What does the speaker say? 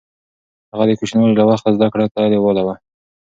هغه د کوچنيوالي له وخته زده کړو ته لېواله و.